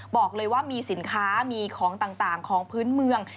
บอกเลยว่ามีสินค้ามีของต่างของพื้นเมือง